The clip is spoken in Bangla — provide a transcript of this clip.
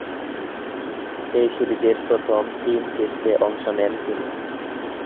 এ সিরিজের প্রথম তিন টেস্টে অংশ নেন তিনি।